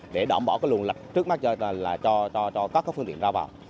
để đảm bảo cái luồng lạch trước mắt cho các phương tiện ra vào